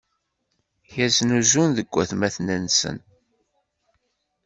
Yeznuzun deg watmaten-nsen.